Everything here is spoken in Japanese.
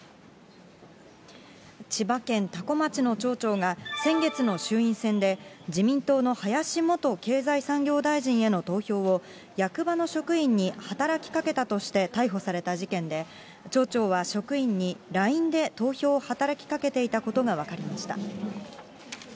千葉県多古町の町長が、先月の衆院選で自民党の林元経済産業大臣への投票を役場の職員に働きかけたとして逮捕された事件で、町長は職員にＬＩＮＥで投票を働きかけていたことが分かりました。